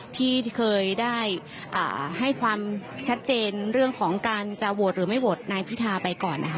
ที่เคยได้ให้ความชัดเจนเรื่องของการจะโหวตหรือไม่โหวตนายพิธาไปก่อนนะคะ